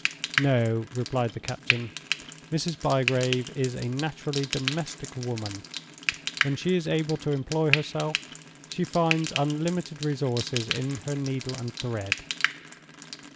"No," replied the captain. "Mrs. Bygrave is a naturally domestic woman. When she is able to employ herself, she finds unlimited resources in her needle and thread."